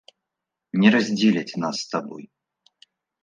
Не раздзеляць нас з табой!